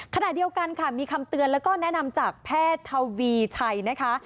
ขณะเดียวกันค่ะมีคำเตือนแล้วก็แนะนำจากแพทย์ทวีชัยนะคะ